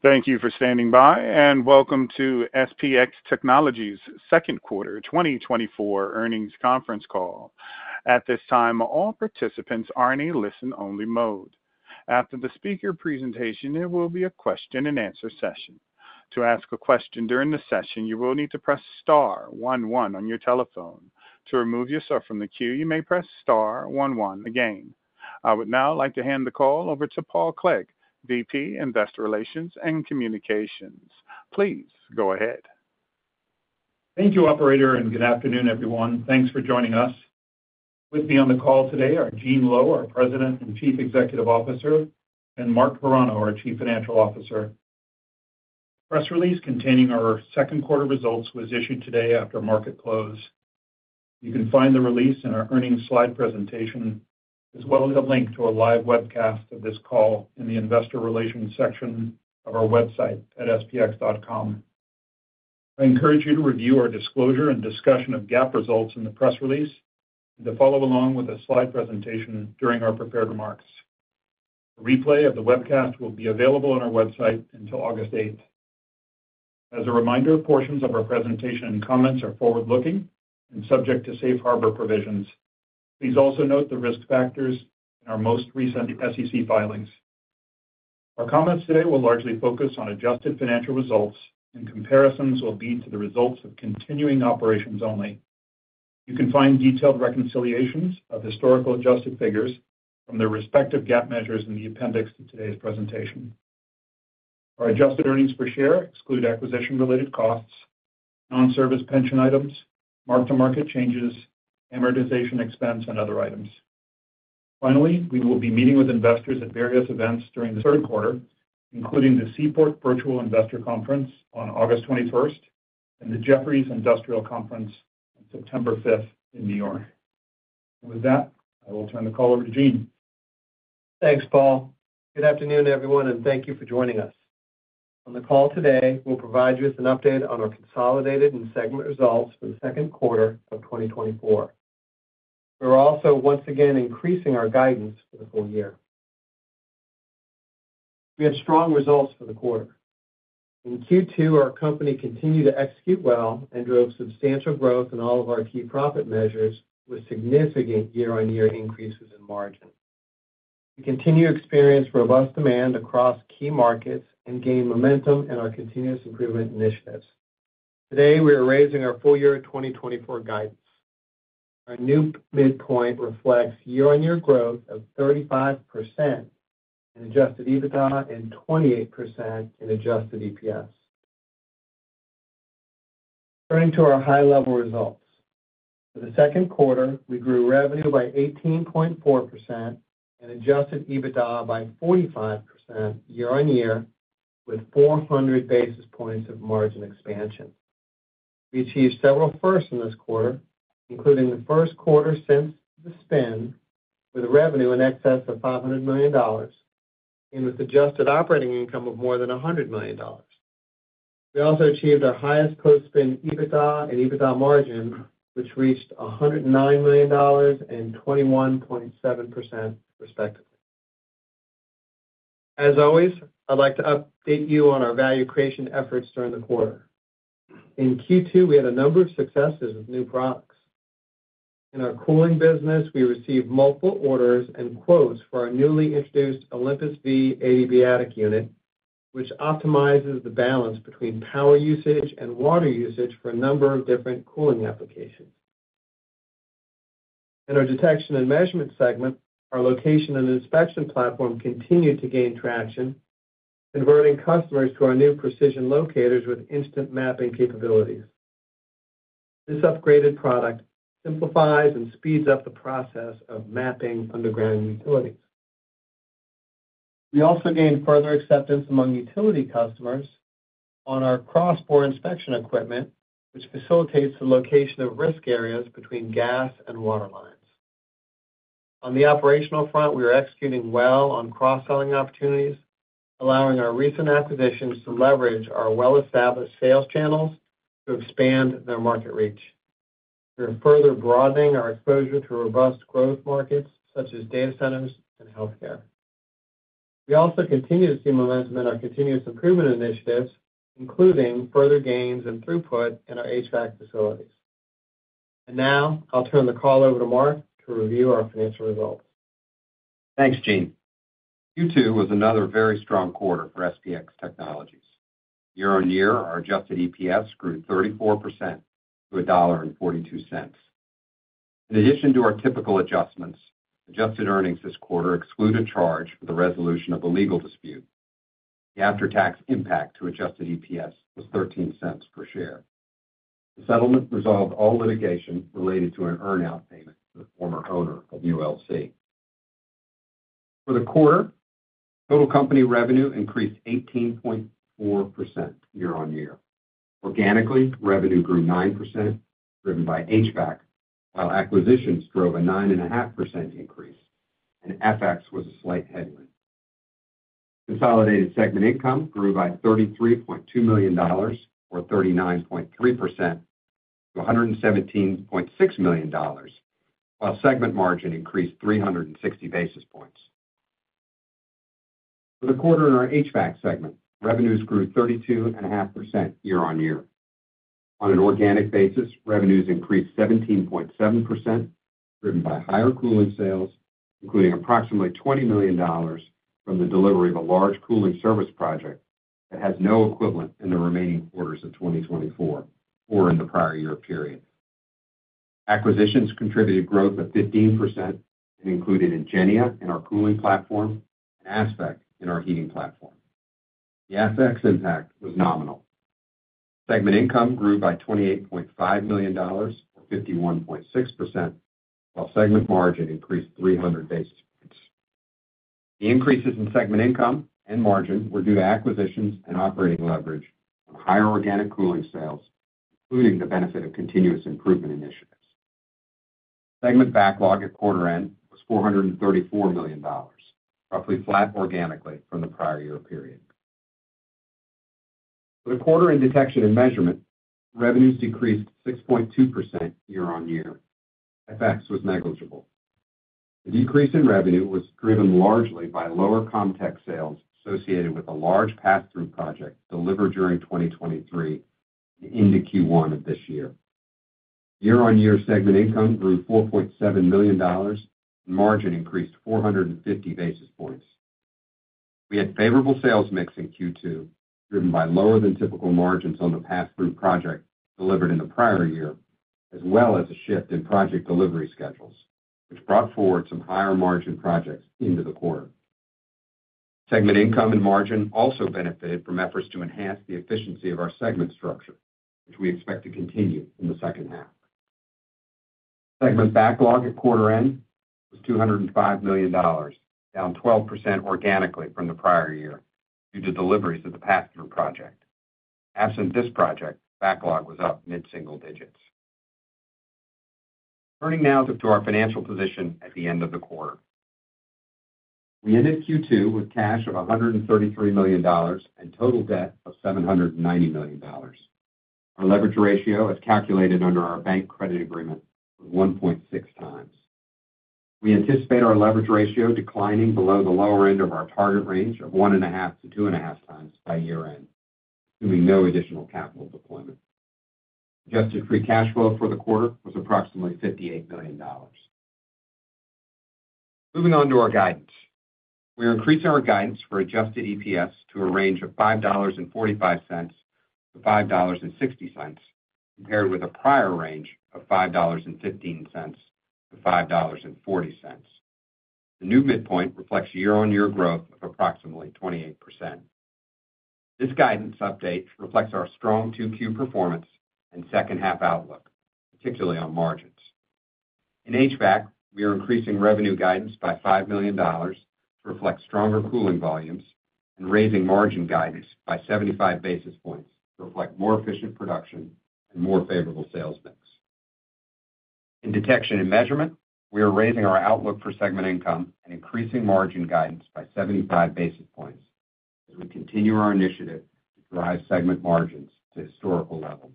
Thank you for standing by, and welcome to SPX Technologies' Second Quarter 2024 Earnings Conference Call. At this time, all participants are in a listen-only mode. After the speaker presentation, there will be a question-and-answer session. To ask a question during the session, you will need to press Star one one on your telephone. To remove yourself from the queue, you may press Star one one again. I would now like to hand the call over to Paul Clegg, VP Investor Relations and Communications. Please go ahead. Thank you, Operator, and good afternoon, everyone. Thanks for joining us. With me on the call today are Gene Lowe, our President and Chief Executive Officer, and Mark Carano, our Chief Financial Officer. The press release containing our second quarter results was issued today after market close. You can find the release in our earnings slide presentation, as well as a link to a live webcast of this call in the Investor Relations section of our website at spx.com. I encourage you to review our disclosure and discussion of GAAP results in the press release and to follow along with the slide presentation during our prepared remarks. A replay of the webcast will be available on our website until August 8th. As a reminder, portions of our presentation and comments are forward-looking and subject to safe harbor provisions. Please also note the risk factors in our most recent SEC filings. Our comments today will largely focus on adjusted financial results, and comparisons will lead to the results of continuing operations only. You can find detailed reconciliations of historical adjusted figures from the respective GAAP measures in the appendix to today's presentation. Our adjusted earnings per share exclude acquisition-related costs, non-service pension items, mark-to-market changes, amortization expense, and other items. Finally, we will be meeting with investors at various events during the third quarter, including the Seaport Virtual Investor Conference on August 21st and the Jefferies Industrial Conference on September 5th in New York. With that, I will turn the call over to Gene. Thanks, Paul. Good afternoon, everyone, and thank you for joining us. On the call today, we'll provide you with an update on our consolidated and segment results for the second quarter of 2024. We're also once again increasing our guidance for the full year. We had strong results for the quarter. In Q2, our company continued to execute well and drove substantial growth in all of our key profit measures with significant year on year increases in margin. We continue to experience robust demand across key markets and gain momentum in our continuous improvement initiatives. Today, we are raising our full-year 2024 guidance. Our new midpoint reflects year on year growth of 35% in Adjusted EBITDA and 28% in Adjusted EPS. Turning to our high-level results, for the second quarter, we grew revenue by 18.4% and Adjusted EBITDA by 45% year on year, with 400 basis points of margin expansion. We achieved several firsts in this quarter, including the first quarter since the spin, with revenue in excess of $500 million and with adjusted operating income of more than $100 million. We also achieved our highest post-spin EBITDA and EBITDA margin, which reached $109 million and 21.7%, respectively. As always, I'd like to update you on our value creation efforts during the quarter. In Q2, we had a number of successes with new products. In our cooling business, we received multiple orders and quotes for our newly introduced OlympusV adiabatic unit, which optimizes the balance between power usage and water usage for a number of different cooling applications. In our detection and measurement segment, our location and inspection platform continued to gain traction, converting customers to our new precision locators with instant mapping capabilities. This upgraded product simplifies and speeds up the process of mapping underground utilities. We also gained further acceptance among utility customers on our cross-bore inspection equipment, which facilitates the location of risk areas between gas and water lines. On the operational front, we are executing well on cross-selling opportunities, allowing our recent acquisitions to leverage our well-established sales channels to expand their market reach. We are further broadening our exposure to robust growth markets such as data centers and healthcare. We also continue to see momentum in our continuous improvement initiatives, including further gains in throughput in our HVAC facilities. Now, I'll turn the call over to Mark to review our financial results. Thanks, Gene. Q2 was another very strong quarter for SPX Technologies. Year on year, our adjusted EPS grew 34% to $1.42. In addition to our typical adjustments, adjusted earnings this quarter excluded charge for the resolution of a legal dispute. The after-tax impact to adjusted EPS was $0.13 per share. The settlement resolved all litigation related to an earnout payment to the former owner of ULC. For the quarter, total company revenue increased 18.4% year on year. Organically, revenue grew 9%, driven by HVAC, while acquisitions drove a 9.5% increase, and FX was a slight headwind. Consolidated segment income grew by $33.2 million, or 39.3% to $117.6 million, while segment margin increased 360 basis points. For the quarter in our HVAC segment, revenues grew 32.5% year on year. On an organic basis, revenues increased 17.7%, driven by higher cooling sales, including approximately $20 million from the delivery of a large cooling service project that has no equivalent in the remaining quarters of 2024 or in the prior year period. Acquisitions contributed growth of 15% and included Ingénia in our cooling platform and ASPEQ in our heating platform. The FX impact was nominal. Segment income grew by $28.5 million or 51.6%, while segment margin increased 300 basis points. The increases in segment income and margin were due to acquisitions and operating leverage from higher organic cooling sales, including the benefit of continuous improvement initiatives. Segment backlog at quarter end was $434 million, roughly flat organically from the prior year period. For the quarter in detection and measurement, revenues decreased 6.2% year on year. FX was negligible. The decrease in revenue was driven largely by lower CommTech sales associated with a large pass-through project delivered during 2023 into Q1 of this year. Year on year segment income grew $4.7 million, and margin increased 450 basis points. We had favorable sales mix in Q2, driven by lower-than-typical margins on the pass-through project delivered in the prior year, as well as a shift in project delivery schedules, which brought forward some higher margin projects into the quarter. Segment income and margin also benefited from efforts to enhance the efficiency of our segment structure, which we expect to continue in the second half. Segment backlog at quarter end was $205 million, down 12% organically from the prior year due to deliveries of the pass-through project. Absent this project, backlog was up mid-single digits. Turning now to our financial position at the end of the quarter. We ended Q2 with cash of $133 million and total debt of $790 million. Our leverage ratio, as calculated under our bank credit agreement, was 1.6x. We anticipate our leverage ratio declining below the lower end of our target range of 1.5-2.5x by year-end, assuming no additional capital deployment. Adjusted free cash flow for the quarter was approximately $58 million. Moving on to our guidance. We are increasing our guidance for adjusted EPS to a range of $5.45-$5.60, compared with a prior range of $5.15-$5.40. The new midpoint reflects year on year growth of approximately 28%. This guidance update reflects our strong Q2 performance and second-half outlook, particularly on margins. In HVAC, we are increasing revenue guidance by $5 million to reflect stronger cooling volumes and raising margin guidance by 75 basis points to reflect more efficient production and more favorable sales mix. In detection and measurement, we are raising our outlook for segment income and increasing margin guidance by 75 basis points as we continue our initiative to drive segment margins to historical levels.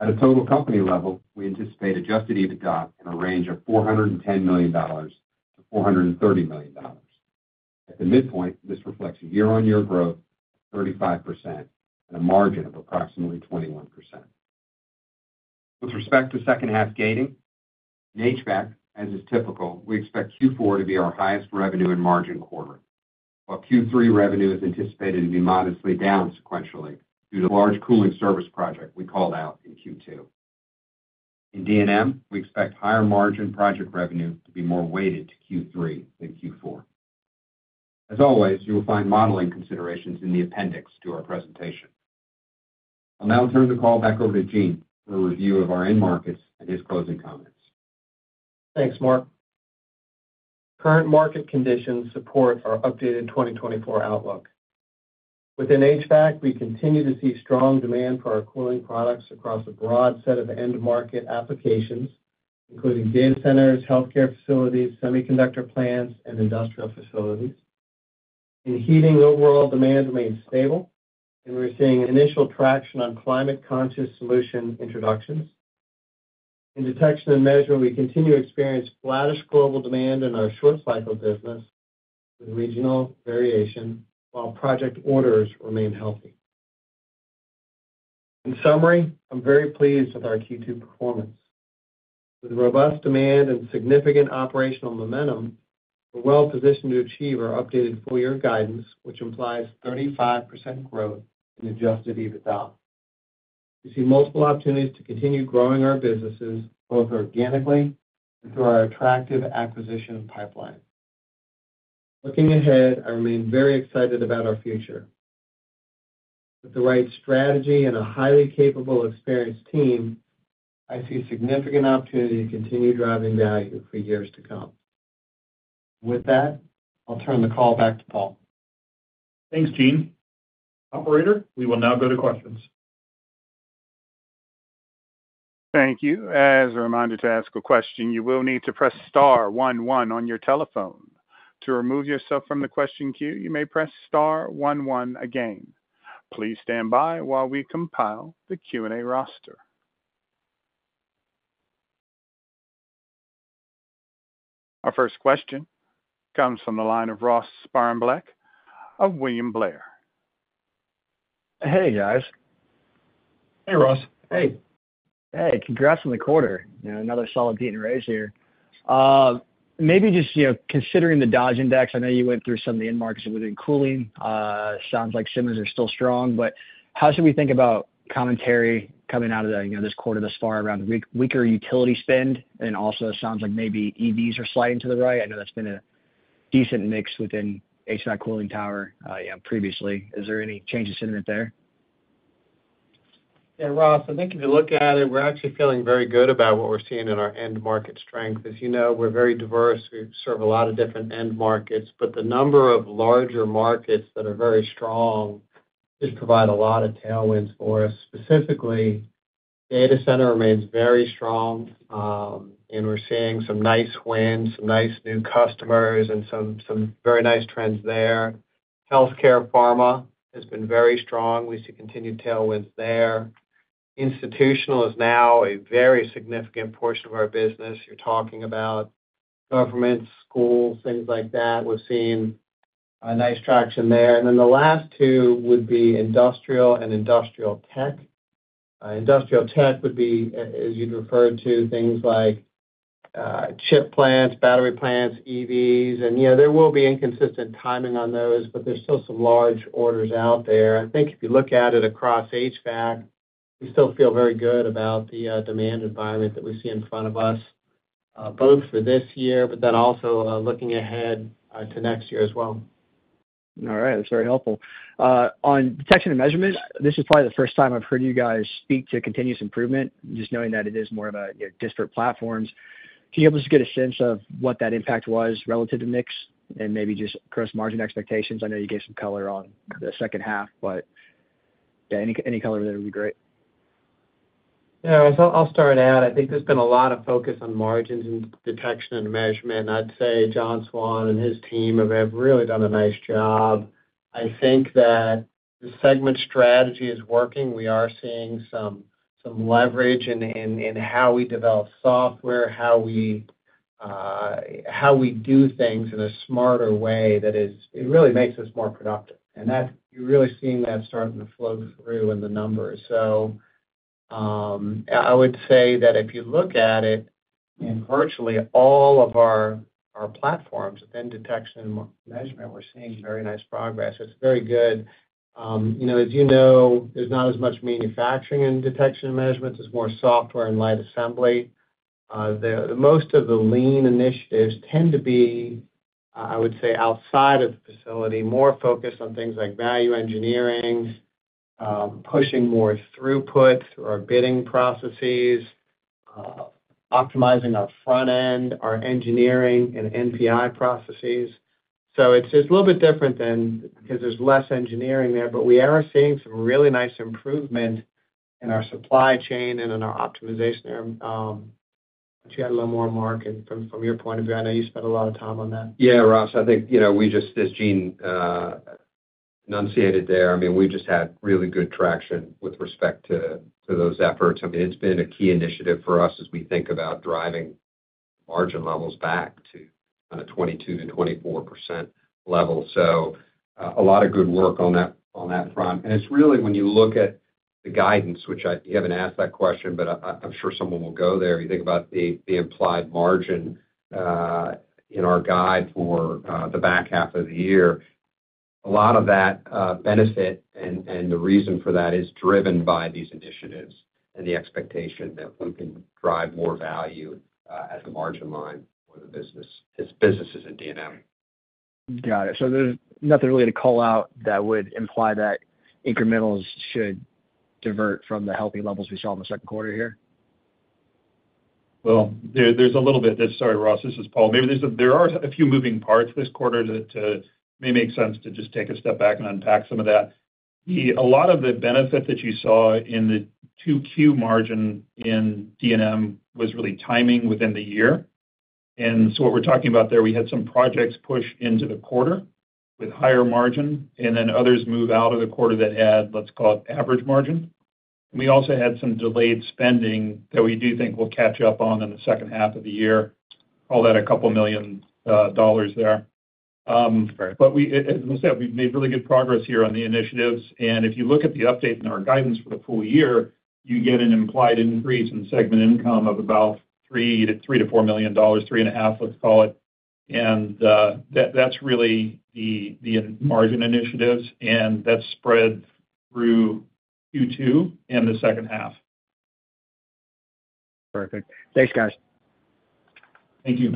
At a total company level, we anticipate adjusted EBITDA in a range of $410 million-$430 million. At the midpoint, this reflects year on year growth of 35% and a margin of approximately 21%. With respect to second-half gating, in HVAC, as is typical, we expect Q4 to be our highest revenue and margin quarter, while Q3 revenue is anticipated to be modestly down sequentially due to the large cooling service project we called out in Q2. In D&M, we expect higher margin project revenue to be more weighted to Q3 than Q4. As always, you will find modeling considerations in the appendix to our presentation. I'll now turn the call back over to Gene for a review of our end markets and his closing comments. Thanks, Mark. Current market conditions support our updated 2024 outlook. Within HVAC, we continue to see strong demand for our cooling products across a broad set of end-market applications, including data centers, healthcare facilities, semiconductor plants, and industrial facilities. In heating, overall demand remains stable, and we're seeing initial traction on climate-conscious solution introductions. In detection and measurement, we continue to experience flattish global demand in our short-cycle business with regional variation, while project orders remain healthy. In summary, I'm very pleased with our Q2 performance. With robust demand and significant operational momentum, we're well-positioned to achieve our updated full-year guidance, which implies 35% growth in adjusted EBITDA. We see multiple opportunities to continue growing our businesses both organically and through our attractive acquisition pipeline. Looking ahead, I remain very excited about our future. With the right strategy and a highly capable, experienced team, I see significant opportunity to continue driving value for years to come. With that, I'll turn the call back to Paul. Thanks, Gene. Operator, we will now go to questions. Thank you. As a reminder to ask a question, you will need to press star one one on your telephone. To remove yourself from the question queue, you may press star one one again. Please stand by while we compile the Q&A roster. Our first question comes from the line of Ross Sparenblek of William Blair. Hey, guys. Hey, Ross. Hey. Hey. Congrats on the quarter. Another solid beat and raise here. Maybe just considering the Dodge Index, I know you went through some of the end markets within cooling. Sounds like semis are still strong, but how should we think about commentary coming out of this quarter thus far around weaker utility spend? And also, it sounds like maybe EVs are sliding to the right. I know that's been a decent mix within HVAC cooling power previously. Is there any change in sentiment there? Yeah, Ross, I think if you look at it, we're actually feeling very good about what we're seeing in our end-market strength. As you know, we're very diverse. We serve a lot of different end markets, but the number of larger markets that are very strong just provide a lot of tailwinds for us. Specifically, data center remains very strong, and we're seeing some nice wins, some nice new customers, and some very nice trends there. Healthcare, pharma has been very strong. We see continued tailwinds there. Institutional is now a very significant portion of our business. You're talking about governments, schools, things like that. We've seen a nice traction there. And then the last two would be industrial and industrial tech. Industrial tech would be, as you'd refer to, things like chip plants, battery plants, EVs. There will be inconsistent timing on those, but there's still some large orders out there. I think if you look at it across HVAC, we still feel very good about the demand environment that we see in front of us, both for this year, but then also looking ahead to next year as well. All right. That's very helpful. On Detection and Measurement, this is probably the first time I've heard you guys speak to continuous improvement, just knowing that it is more of a disparate platforms. Can you help us get a sense of what that impact was relative to mix and maybe just gross margin expectations? I know you gave some color on the second half, but any color of that would be great. Yeah. I'll start out. I think there's been a lot of focus on margins in Detection and Measurement. I'd say John Swann and his team have really done a nice job. I think that the segment strategy is working. We are seeing some leverage in how we develop software, how we do things in a smarter way that really makes us more productive. And you're really seeing that starting to flow through in the numbers. So I would say that if you look at it, virtually all of our platforms within Detection and Measurement, we're seeing very nice progress. It's very good. As you know, there's not as much manufacturing in Detection and Measurement. There's more software and light assembly. Most of the lean initiatives tend to be, I would say, outside of the facility, more focused on things like value engineering, pushing more throughput through our bidding processes, optimizing our front end, our engineering, and NPI processes. So it's a little bit different because there's less engineering there, but we are seeing some really nice improvement in our supply chain and in our optimization there. But you had a little more, Mark, from your point of view. I know you spent a lot of time on that. Yeah, Ross. I think as Gene enunciated there, I mean, we've just had really good traction with respect to those efforts. I mean, it's been a key initiative for us as we think about driving margin levels back to kind of 22%-24% level. So a lot of good work on that front. And it's really when you look at the guidance, which you haven't asked that question, but I'm sure someone will go there. You think about the implied margin in our guide for the back half of the year. A lot of that benefit and the reason for that is driven by these initiatives and the expectation that we can drive more value at the margin line for the businesses in D&M. Got it. So there's nothing really to call out that would imply that incrementals should divert from the healthy levels we saw in the second quarter here? Well, there's a little bit. Sorry, Ross. This is Paul. There are a few moving parts this quarter that may make sense to just take a step back and unpack some of that. A lot of the benefit that you saw in the Q2 margin in D&M was really timing within the year. And so what we're talking about there, we had some projects push into the quarter with higher margin, and then others move out of the quarter that had, let's call it, average margin. And we also had some delayed spending that we do think will catch up on in the second half of the year. Call that $2 million there. But as I said, we've made really good progress here on the initiatives. If you look at the update in our guidance for the full year, you get an implied increase in segment income of about $3million-$4 million, $3.5 million, let's call it. And that's really the margin initiatives, and that's spread through Q2 and the second half. Perfect. Thanks, guys. Thank you.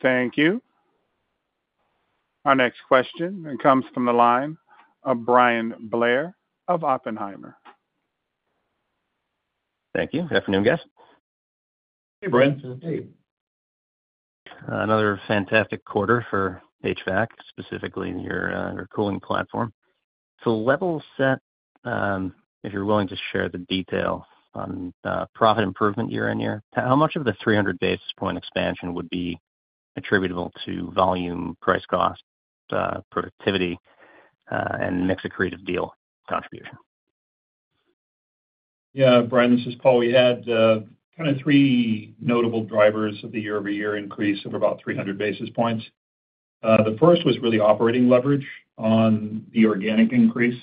Thank you. Our next question comes from the line of Bryan Blair of Oppenheimer. Thank you. Good afternoon, guys. Hey, Bryan. Hey. Another fantastic quarter for HVAC, specifically your cooling platform. So level set, if you're willing to share the detail on profit improvement year on year, how much of the 300 basis point expansion would be attributable to volume, price cost, productivity, and mix of creative deal contribution? Yeah. Bryan, this is Paul. We had kind of three notable drivers of the year-over-year increase of about 300 basis points. The first was really operating leverage on the organic increase.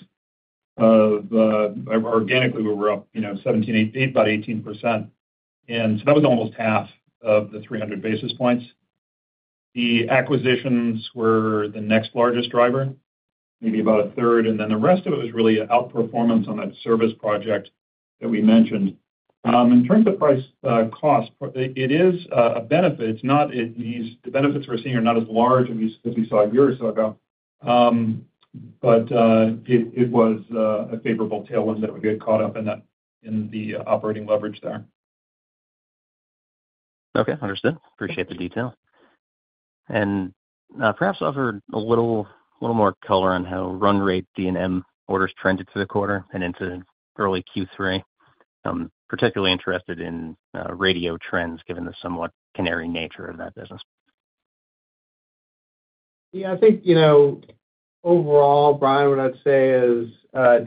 Organically, we were up about 18%. And so that was almost half of the 300 basis points. The acquisitions were the next largest driver, maybe about a third. And then the rest of it was really outperformance on that service project that we mentioned. In terms of cost, it is a benefit. The benefits we're seeing are not as large as we saw a year or so ago, but it was a favorable tailwind that we got caught up in the operating leverage there. Okay. Understood. Appreciate the detail. Perhaps offer a little more color on how run rate D&M orders trended through the quarter and into early Q3. I'm particularly interested in radio trends given the somewhat canary nature of that business. Yeah. I think overall, Bryan, what I'd say is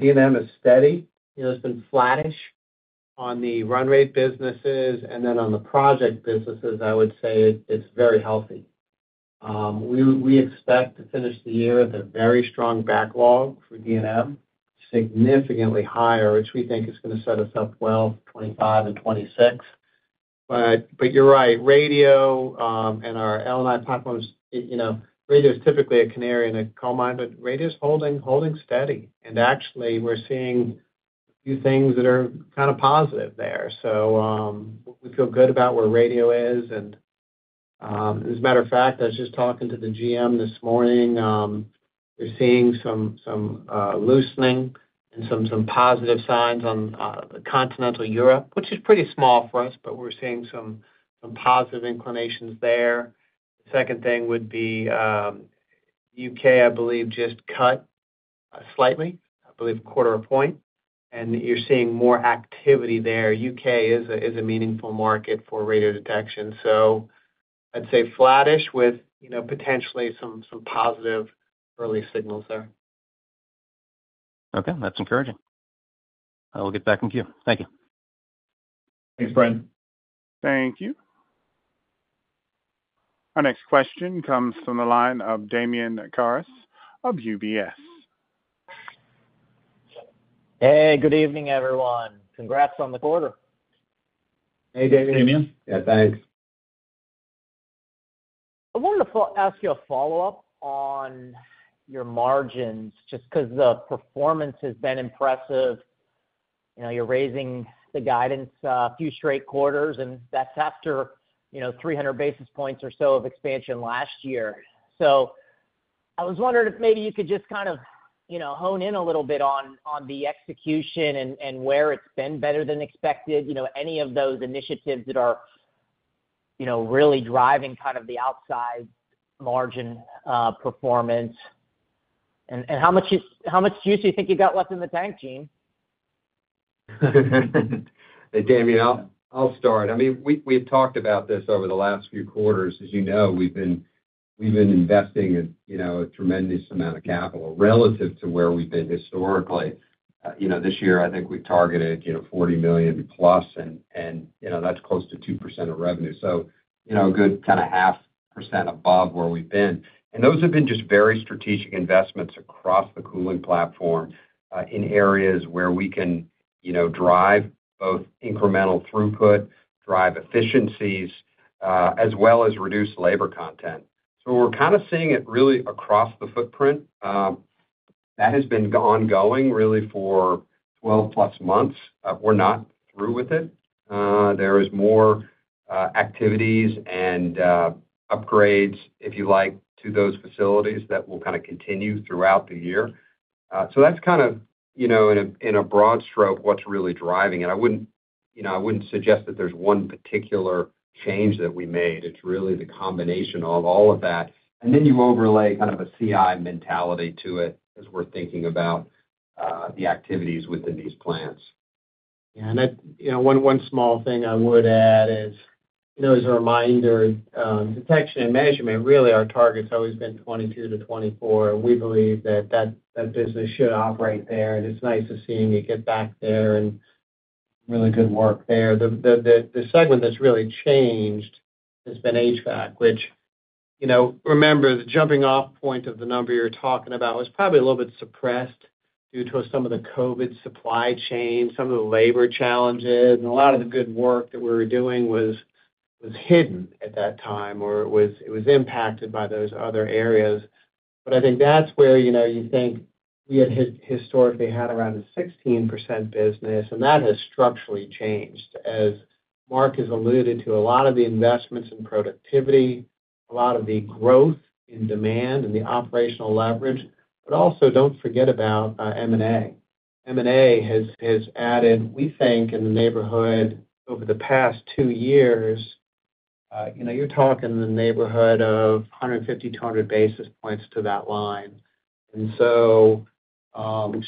D&M is steady. It's been flattish on the run rate businesses. And then on the project businesses, I would say it's very healthy. We expect to finish the year with a very strong backlog for D&M, significantly higher, which we think is going to set us up well for 2025 and 2026. But you're right. Radio and our L&I platforms, radio is typically a canary in a coal mine, but radio is holding steady. And actually, we're seeing a few things that are kind of positive there. So we feel good about where radio is. And as a matter of fact, I was just talking to the GM this morning. We're seeing some loosening and some positive signs on Continental Europe, which is pretty small for us, but we're seeing some positive inclinations there. The second thing would be U.K., I believe, just cut slightly, I believe, quarter a point. You're seeing more activity there. U.K. is a meaningful market for radio detection. I'd say flattish with potentially some positive early signals there. Okay. That's encouraging. I will get back in queue. Thank you. Thanks, Bryan. Thank you. Our next question comes from the line of Damian Karas of UBS. Hey. Good evening, everyone. Congrats on the quarter. Hey, David. Hey, Damian. Yeah. Thanks. I wanted to ask you a follow-up on your margins just because the performance has been impressive. You're raising the guidance a few straight quarters, and that's after 300 basis points or so of expansion last year. So I was wondering if maybe you could just kind of hone in a little bit on the execution and where it's been better than expected, any of those initiatives that are really driving kind of the upside margin performance. And how much juice do you think you got left in the tank, Gene? Hey, Damian. I'll start. I mean, we've talked about this over the last few quarters. As you know, we've been investing a tremendous amount of capital relative to where we've been historically. This year, I think we've targeted $40+ million, and that's close to 2% of revenue. So a good kind of 0.5% above where we've been. And those have been just very strategic investments across the cooling platform in areas where we can drive both incremental throughput, drive efficiencies, as well as reduce labor content. So we're kind of seeing it really across the footprint. That has been ongoing really for 12+ months. We're not through with it. There are more activities and upgrades, if you like, to those facilities that will kind of continue throughout the year. So that's kind of, in a broad stroke, what's really driving it. I wouldn't suggest that there's one particular change that we made. It's really the combination of all of that. And then you overlay kind of a CI mentality to it as we're thinking about the activities within these plants. Yeah. And one small thing I would add is, as a reminder, Detection and Measurement, really, our target's always been 22%-24%. We believe that that business should operate there. And it's nice to seeing it get back there and really good work there. The segment that's really changed has been HVAC, which remember, the jumping-off point of the number you're talking about was probably a little bit suppressed due to some of the COVID supply chain, some of the labor challenges. And a lot of the good work that we were doing was hidden at that time, or it was impacted by those other areas. But I think that's where you think we had historically had around a 16% business. And that has structurally changed, as Mark has alluded to, a lot of the investments in productivity, a lot of the growth in demand and the operational leverage. But also, don't forget about M&A. M&A has added, we think, in the neighborhood over the past two years, you're talking in the neighborhood of 150-200 basis points to that line. And so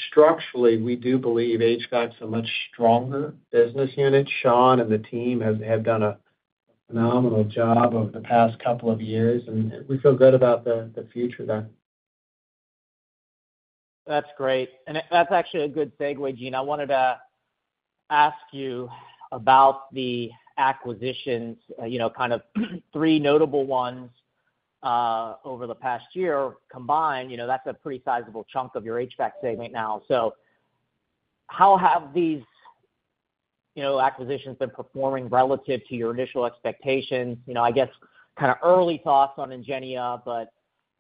structurally, we do believe HVAC's a much stronger business unit. Sean and the team have done a phenomenal job over the past couple of years. And we feel good about the future there. That's great. And that's actually a good segue, Gene. I wanted to ask you about the acquisitions, kind of three notable ones over the past year combined. That's a pretty sizable chunk of your HVAC segment now. So how have these acquisitions been performing relative to your initial expectations? I guess kind of early thoughts on Ingénia, but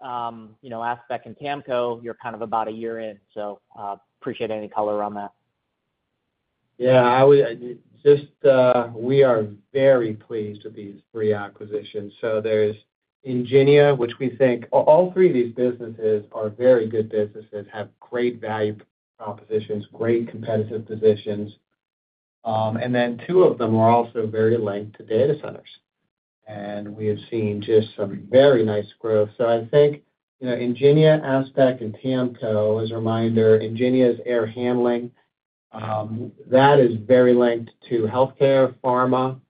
ASPEQ and TAMCO, you're kind of about a year in. So appreciate any color on that. Yeah. Just, we are very pleased with these three acquisitions. So there's Ingénia, which we think all three of these businesses are very good businesses, have great value propositions, great competitive positions. And then two of them are also very linked to data centers. And we have seen just some very nice growth. So I think Ingénia, ASPEQ, and TAMCO, as a reminder, Ingénia's air handling, that is very linked to healthcare, pharma.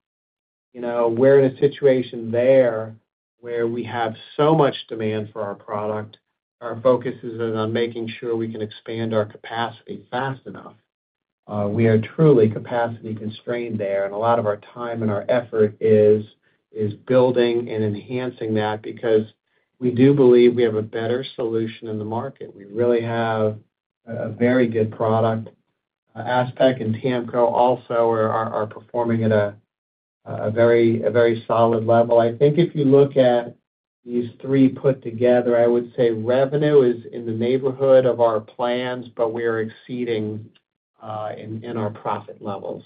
We're in a situation there where we have so much demand for our product. Our focus is on making sure we can expand our capacity fast enough. We are truly capacity constrained there. And a lot of our time and our effort is building and enhancing that because we do believe we have a better solution in the market. We really have a very good product. ASPEQ and TAMCO also are performing at a very solid level. I think if you look at these three put together, I would say revenue is in the neighborhood of our plans, but we are exceeding in our profit levels.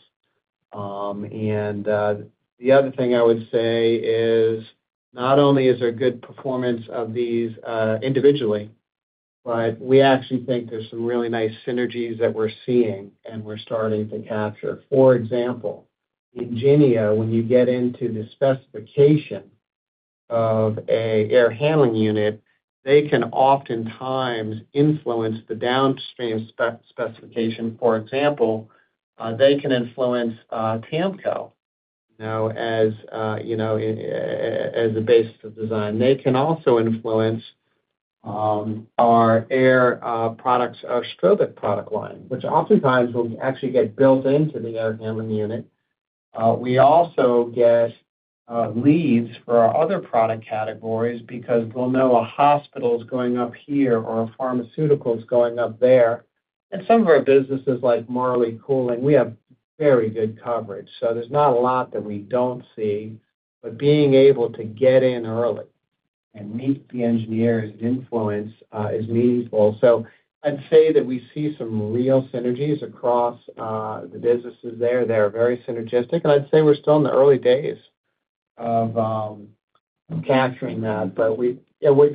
The other thing I would say is not only is there good performance of these individually, but we actually think there's some really nice synergies that we're seeing and we're starting to capture. For example, Ingénia, when you get into the specification of an air handling unit, they can oftentimes influence the downstream specification. For example, they can influence TAMCO as a basis of design. They can also influence our air products, our Strobic product line, which oftentimes will actually get built into the air handling unit. We also get leads for our other product categories because we'll know a hospital's going up here or a pharmaceutical's going up there. And some of our businesses like Marley Cooling, we have very good coverage. So there's not a lot that we don't see. But being able to get in early and meet the engineers and influence is meaningful. So I'd say that we see some real synergies across the businesses there. They're very synergistic. And I'd say we're still in the early days of capturing that. But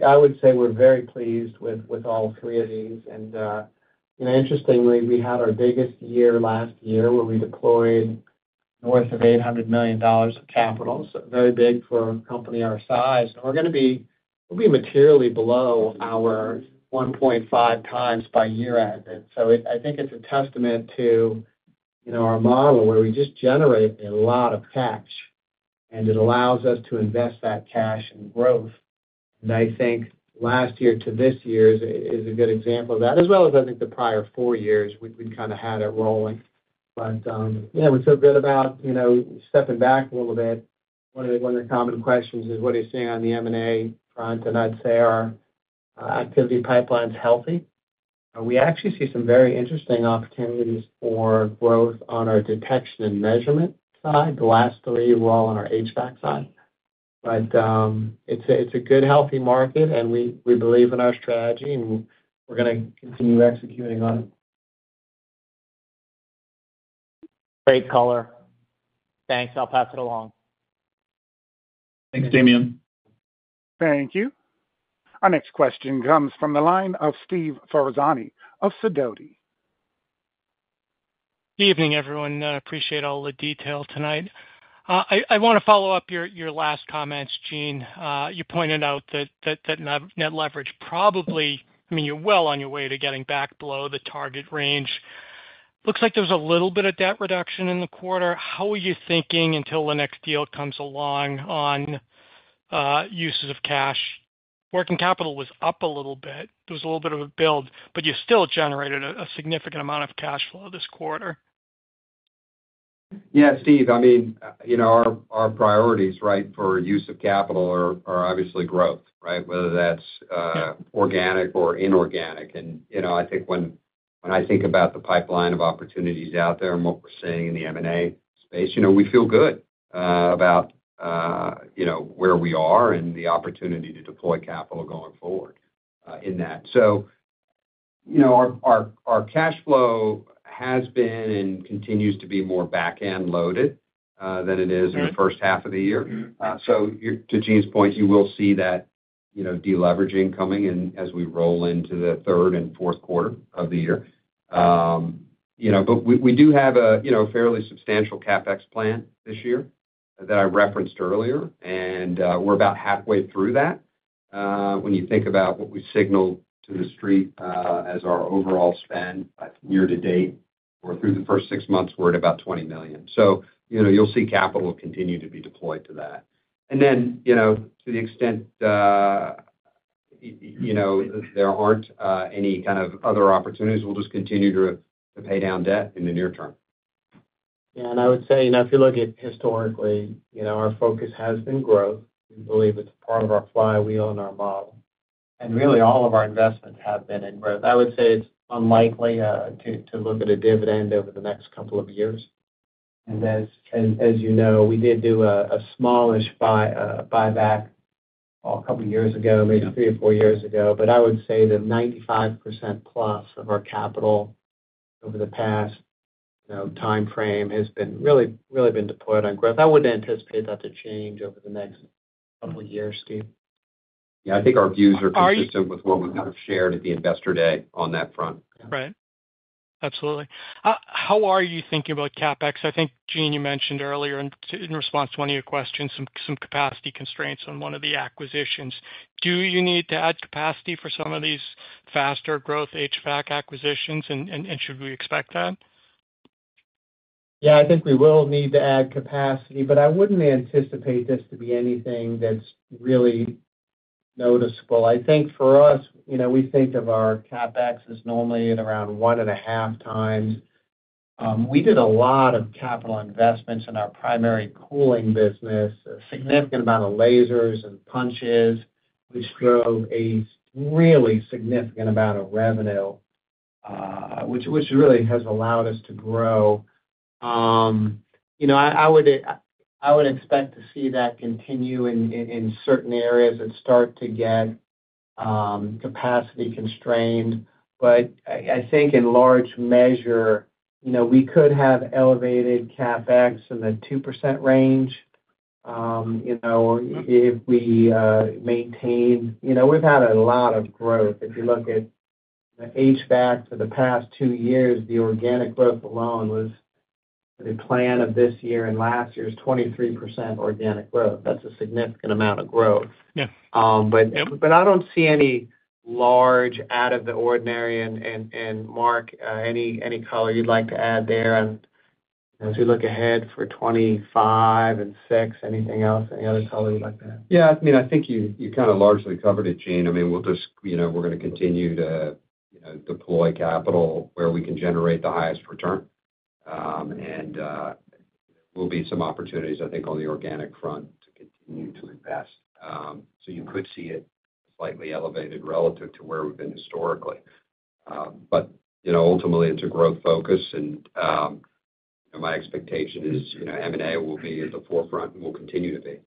I would say we're very pleased with all three of these. And interestingly, we had our biggest year last year where we deployed north of $800 million of capital. So very big for a company our size. And we're going to be materially below our 1.5x by year-end. And so I think it's a testament to our model where we just generate a lot of cash. And it allows us to invest that cash in growth. And I think last year to this year is a good example of that, as well as I think the prior four years, we've kind of had it rolling. But yeah, we feel good about stepping back a little bit. One of the common questions is, what are you seeing on the M&A front? And I'd say our activity pipeline's healthy. We actually see some very interesting opportunities for growth on our detection and measurement side. The last three were all on our HVAC side. But it's a good, healthy market. And we believe in our strategy. And we're going to continue executing on it. Great color. Thanks. I'll pass it along. Thanks, Damian. Thank you. Our next question comes from the line of Steve Ferrazzani of Sidoti. Good evening, everyone. Appreciate all the detail tonight. I want to follow up your last comments, Gene. You pointed out that net leverage probably I mean, you're well on your way to getting back below the target range. Looks like there's a little bit of debt reduction in the quarter. How are you thinking until the next deal comes along on uses of cash? Working capital was up a little bit. There was a little bit of a build, but you still generated a significant amount of cash flow this quarter. Yeah. Steve, I mean, our priorities, right, for use of capital are obviously growth, right, whether that's organic or inorganic. I think when I think about the pipeline of opportunities out there and what we're seeing in the M&A space, we feel good about where we are and the opportunity to deploy capital going forward in that. Our cash flow has been and continues to be more back-end loaded than it is in the first half of the year. To Gene's point, you will see that deleveraging coming in as we roll into the third and fourth quarter of the year. But we do have a fairly substantial CapEx plan this year that I referenced earlier. We're about halfway through that. When you think about what we signaled to the street as our overall spend year to date, or through the first six months, we're at about $20 million. So you'll see capital continue to be deployed to that. And then to the extent there aren't any kind of other opportunities, we'll just continue to pay down debt in the near term. Yeah. I would say if you look at historically, our focus has been growth. We believe it's part of our flywheel and our model. Really, all of our investments have been in growth. I would say it's unlikely to look at a dividend over the next couple of years. As you know, we did do a smallish buyback a couple of years ago, maybe three or four years ago. I would say the 95%+ of our capital over the past timeframe has really been deployed on growth. I wouldn't anticipate that to change over the next couple of years, Steve. Yeah. I think our views are consistent with what we've kind of shared at the investor day on that front. Right. Absolutely. How are you thinking about CapEx? I think, Gene, you mentioned earlier in response to one of your questions, some capacity constraints on one of the acquisitions. Do you need to add capacity for some of these faster growth HVAC acquisitions, and should we expect that? Yeah. I think we will need to add capacity. But I wouldn't anticipate this to be anything that's really noticeable. I think for us, we think of our CapEx as normally at around 1.5x. We did a lot of capital investments in our primary cooling business, a significant amount of lasers and punches. We drove a really significant amount of revenue, which really has allowed us to grow. I would expect to see that continue in certain areas that start to get capacity constrained. But I think in large measure, we could have elevated CapEx in the 2% range if we maintained we've had a lot of growth. If you look at HVAC for the past two years, the organic growth alone was the plan of this year. And last year's 23% organic growth. That's a significant amount of growth. But I don't see any large out of the ordinary. And Mark, any color you'd like to add there as we look ahead for 2025 and 2026? Anything else? Any other color you'd like to add? Yeah. I mean, I think you kind of largely covered it, Gene. I mean, we're going to continue to deploy capital where we can generate the highest return. And there will be some opportunities, I think, on the organic front to continue to invest. So you could see it slightly elevated relative to where we've been historically. But ultimately, it's a growth focus. And my expectation is M&A will be at the forefront and will continue to be.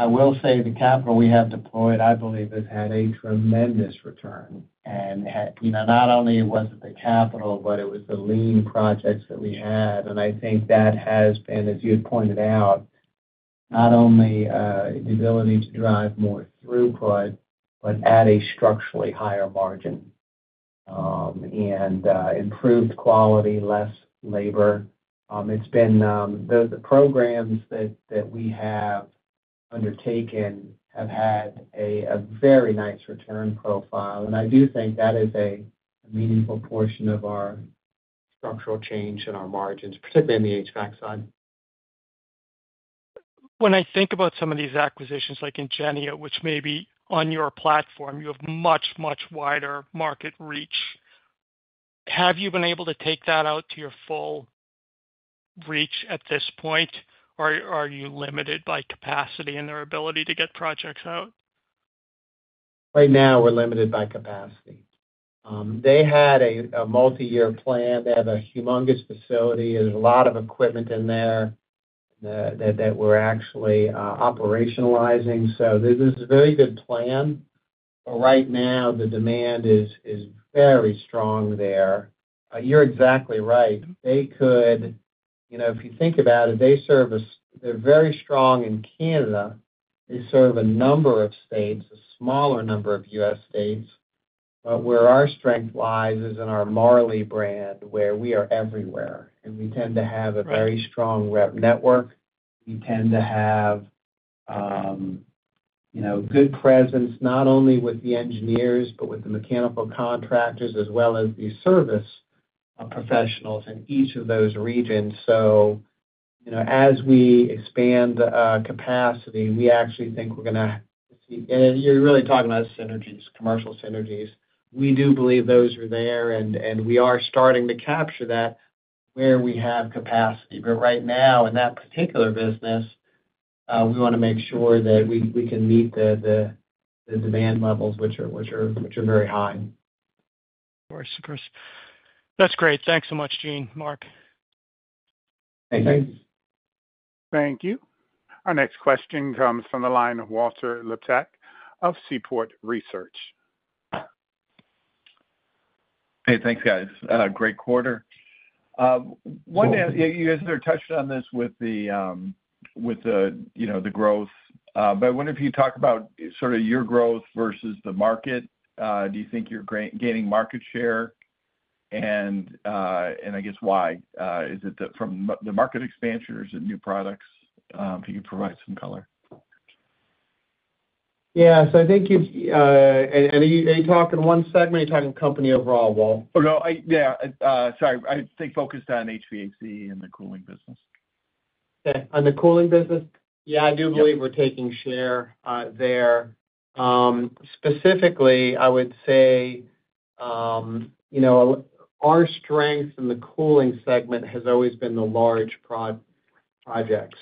I will say the capital we have deployed, I believe, has had a tremendous return. And not only was it the capital, but it was the lean projects that we had. And I think that has been, as you had pointed out, not only the ability to drive more throughput, but at a structurally higher margin and improved quality, less labor. The programs that we have undertaken have had a very nice return profile. And I do think that is a meaningful portion of our structural change in our margins, particularly on the HVAC side. When I think about some of these acquisitions like Ingénia, which may be on your platform, you have much, much wider market reach. Have you been able to take that out to your full reach at this point? Or are you limited by capacity and their ability to get projects out? Right now, we're limited by capacity. They had a multi-year plan. They have a humongous facility. There's a lot of equipment in there that we're actually operationalizing. So this is a very good plan. But right now, the demand is very strong there. You're exactly right. If you think about it, they're very strong in Canada. They serve a number of states, a smaller number of U.S. states. But where our strength lies is in our Marley brand, where we are everywhere. And we tend to have a very strong rep network. We tend to have good presence not only with the engineers, but with the mechanical contractors, as well as the service professionals in each of those regions. So as we expand capacity, we actually think we're going to see and you're really talking about synergies, commercial synergies. We do believe those are there. We are starting to capture that where we have capacity. Right now, in that particular business, we want to make sure that we can meet the demand levels, which are very high. Of course. Of course. That's great. Thanks so much, Gene. Mark. Thank you. Thank you. Our next question comes from the line of Walter Liptak of Seaport Research Partners. Hey. Thanks, guys. Great quarter. You guys are touching on this with the growth. But I wonder if you talk about sort of your growth versus the market. Do you think you're gaining market share? And I guess, why? Is it from the market expansion, or is it new products? If you could provide some color. Yeah. So I think, are you talking one segment or are you talking company overall, Walter? Oh, no. Yeah. Sorry. I think focused on HVAC and the cooling business. Okay. On the cooling business? Yeah. I do believe we're taking share there. Specifically, I would say our strength in the cooling segment has always been the large projects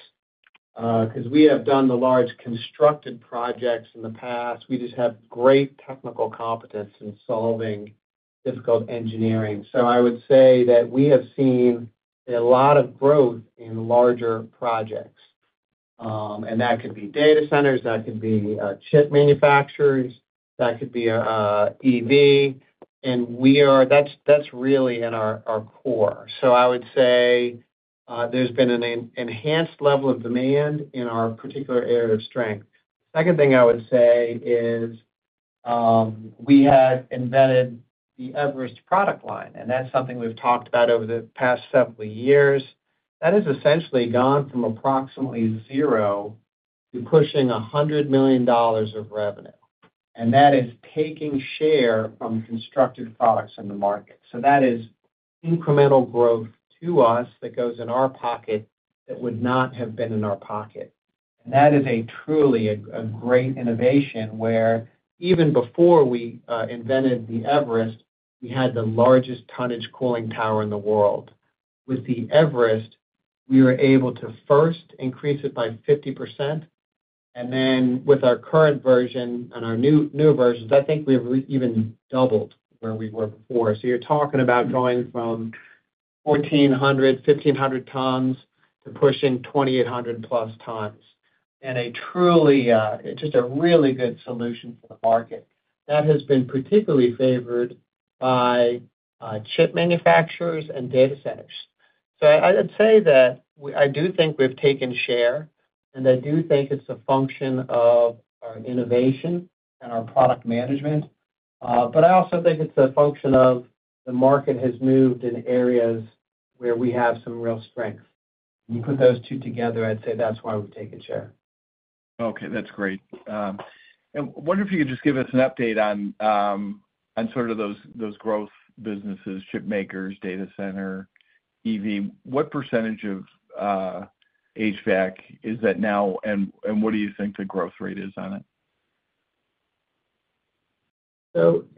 because we have done the large constructed projects in the past. We just have great technical competence in solving difficult engineering. So I would say that we have seen a lot of growth in larger projects. And that could be data centers. That could be chip manufacturers. That could be EV. And that's really in our core. So I would say there's been an enhanced level of demand in our particular area of strength. The second thing I would say is we had invented the Everest product line. And that's something we've talked about over the past several years. That has essentially gone from approximately zero to pushing $100 million of revenue. That is taking share from constructed products in the market. So that is incremental growth to us that goes in our pocket that would not have been in our pocket. That is truly a great innovation where even before we invented the Everest, we had the largest tonnage cooling tower in the world. With the Everest, we were able to first increase it by 50%. Then with our current version and our new versions, I think we've even doubled where we were before. So you're talking about going from 1,400-1,500 tons to pushing 2,800+ tons. Just a really good solution for the market. That has been particularly favored by chip manufacturers and data centers. So I would say that I do think we've taken share. I do think it's a function of our innovation and our product management. I also think it's a function of the market has moved in areas where we have some real strength. When you put those two together, I'd say that's why we've taken share. Okay. That's great. I wonder if you could just give us an update on sort of those growth businesses: chip makers, data center, EV. What percentage of HVAC is that now? And what do you think the growth rate is on it?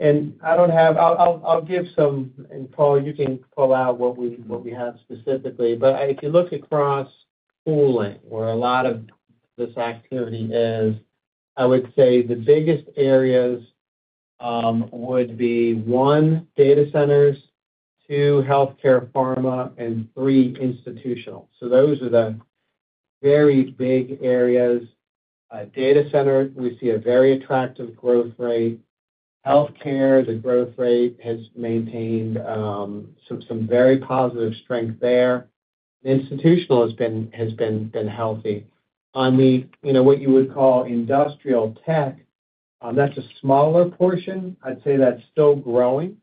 And I'll give some, and Paul, you can pull out what we have specifically. But if you look across cooling, where a lot of this activity is, I would say the biggest areas would be one, data centers, two, healthcare, pharma, and three, institutional. So those are the very big areas. Data center, we see a very attractive growth rate. Healthcare, the growth rate has maintained some very positive strength there. Institutional has been healthy. On what you would call industrial tech, that's a smaller portion. I'd say that's still growing.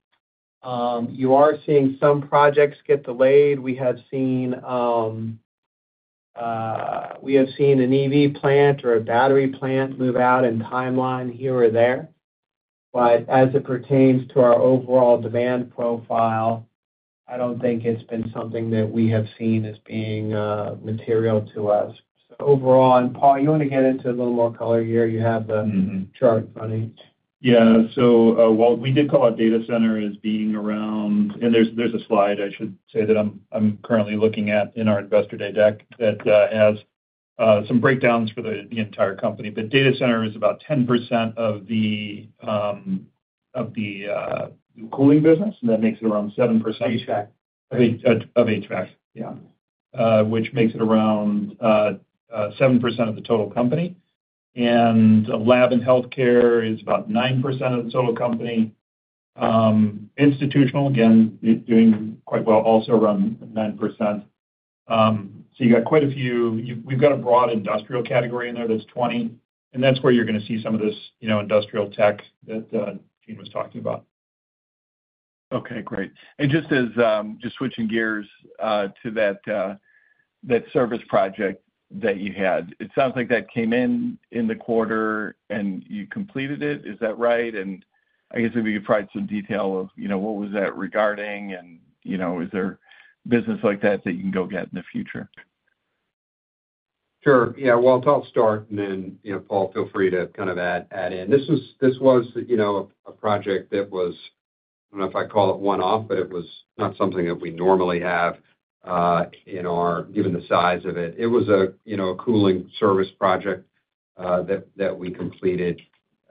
You are seeing some projects get delayed. We have seen an EV plant or a battery plant move out in timeline here or there. But as it pertains to our overall demand profile, I don't think it's been something that we have seen as being material to us. So overall, and Paul, you want to get into a little more color here? You have the chart in front of you. Yeah. So what we did call out data center as being around and there's a slide I should say that I'm currently looking at in our investor day deck that has some breakdowns for the entire company. But data center is about 10% of the cooling business. That makes it around 7%. Of HVAC. Of HVAC. Yeah. Which makes it around 7% of the total company. Lab and healthcare is about 9% of the total company. Institutional, again, doing quite well, also around 9%. So you got quite a few. We've got a broad industrial category in there that's 20%. And that's where you're going to see some of this industrial tech that Gene was talking about. Okay. Great. And just switching gears to that service project that you had, it sounds like that came in the quarter and you completed it. Is that right? And I guess if you could provide some detail of what was that regarding and is there business like that that you can go get in the future? Sure. Yeah. Well, I'll start. And then Paul, feel free to kind of add in. This was a project that was I don't know if I'd call it one-off, but it was not something that we normally have given the size of it. It was a cooling service project that we completed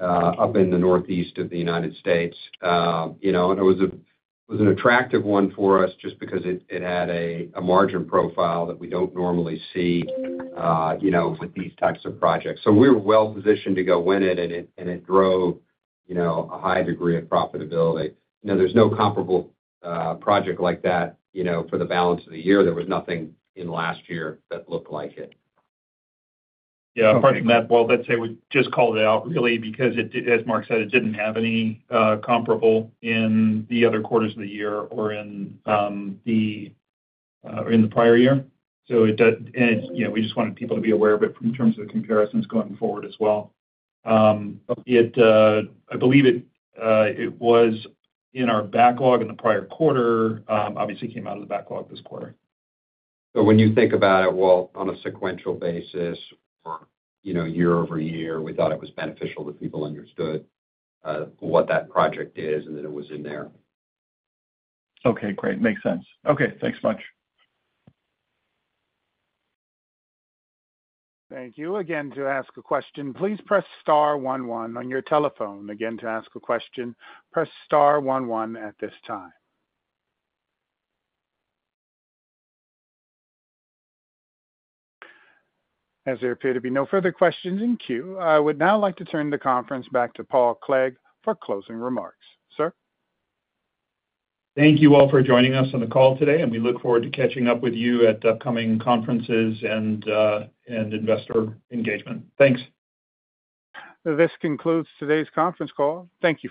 up in the Northeast United States. And it was an attractive one for us just because it had a margin profile that we don't normally see with these types of projects. So we were well-positioned to go win it. And it drove a high degree of profitability. There's no comparable project like that for the balance of the year. There was nothing in last year that looked like it. Yeah. Apart from that, well, I'd say we just called it out really because, as Mark said, it didn't have any comparable in the other quarters of the year or in the prior year. And we just wanted people to be aware of it in terms of the comparisons going forward as well. I believe it was in our backlog in the prior quarter. Obviously, it came out of the backlog this quarter. So when you think about it, well, on a sequential basis or year-over-year, we thought it was beneficial that people understood what that project is and that it was in there. Okay. Great. Makes sense. Okay. Thanks so much. Thank you. Again, to ask a question, please press star one one on your telephone. Again, to ask a question, press star one one at this time. As there appear to be no further questions in queue, I would now like to turn the conference back to Paul Clegg for closing remarks. Sir. Thank you all for joining us on the call today. We look forward to catching up with you at upcoming conferences and investor engagement. Thanks. This concludes today's conference call. Thank you.